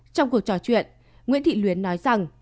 trong cuộc trò chuyện nguyễn thị luyến nói rằng